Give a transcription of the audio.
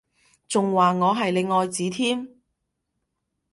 仲話我係你愛子添？